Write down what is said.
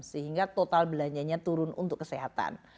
sehingga total belanjanya turun untuk kesehatan